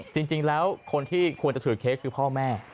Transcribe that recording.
จริงแล้วคนที่ควรจะถือเค้กคือพ่อแม่